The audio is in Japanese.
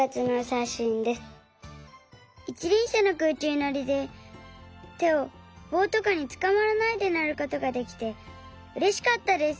いちりんしゃのくうちゅうのりでてをぼうとかにつかまらないでのることができてうれしかったです。